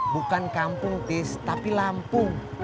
bukan kampung tis tapi lampung